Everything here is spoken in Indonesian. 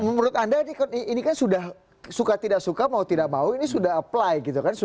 menurut anda ini kan sudah suka tidak suka mau tidak mau ini sudah apply gitu kan